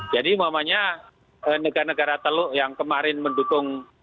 jadi umumnya negara negara teluk yang kemarin mendukung